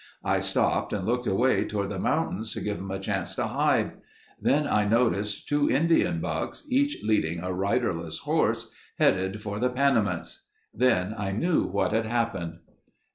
I stopped and looked away toward the mountains to give 'em a chance to hide. Then I noticed two Indian bucks, each leading a riderless horse, headed for the Panamints. Then I knew what had happened."